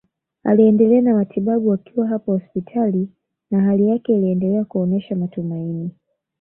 Aliendelea na matibabu akiwa hapo hospitali na hali yake iliendelea kuonesha matumaini